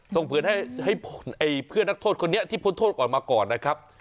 เผื่อให้เพื่อนนักโทษคนนี้ที่พ้นโทษออกมาก่อนนะครับ